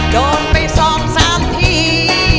โดนไปสองสามที